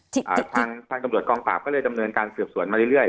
ทางทางตำรวจกองปราบก็เลยดำเนินการสืบสวนมาเรื่อย